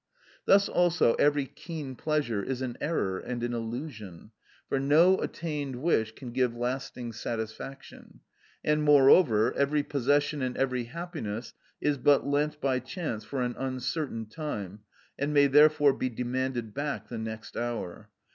(25) Thus also every keen pleasure is an error and an illusion, for no attained wish can give lasting satisfaction; and, moreover, every possession and every happiness is but lent by chance for an uncertain time, and may therefore be demanded back the next hour.